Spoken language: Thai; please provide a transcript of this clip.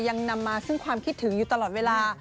ยังนำมาซึ่งความคิดถึงอยู่ตลอดเวลา